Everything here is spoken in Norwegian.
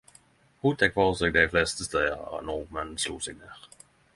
Ho tek for seg dei fleste stader nordmenn slo seg ned.